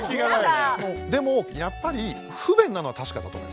でもやっぱり不便なのは確かだと思います。